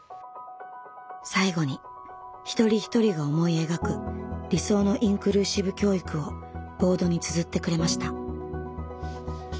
最後に一人一人が思い描く理想のインクルーシブ教育をボードにつづってくれました。